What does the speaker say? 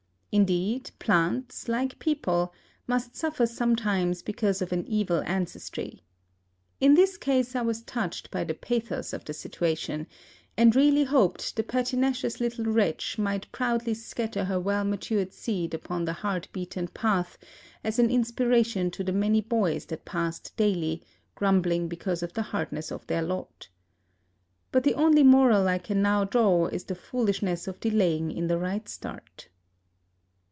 Indeed plants, like people, must suffer sometimes because of an evil ancestry. In this case I was touched by the pathos of the situation, and really hoped the pertinacious little wretch might proudly scatter her well matured seed upon the hard beaten path as an inspiration to the many boys that passed daily, grumbling because of the hardness of their lot. But the only moral I can now draw is the foolishness of delaying in the right start.